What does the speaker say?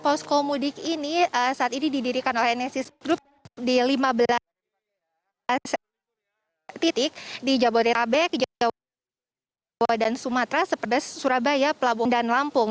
postkomudik ini saat ini didirikan oleh nsc group di lima belas titik di jabodetabek jawa jawa dan sumatera seperdas surabaya pelabung dan lampung